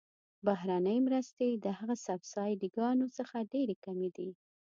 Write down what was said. بهرنۍ مرستې د هغه سبسایډي ګانو څخه ډیرې کمې دي.